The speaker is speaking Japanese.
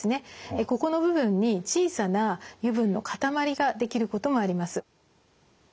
ここの部分に小さな油分の塊が出来ることもあります。